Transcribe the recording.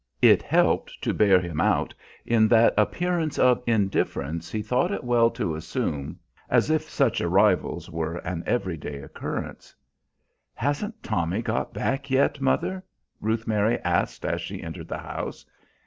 It helped to bear him out in that appearance of indifference he thought it well to assume, as if such arrivals were an every day occurrence. "Hasn't Tommy got back yet, mother?" Ruth Mary asked as she entered the house.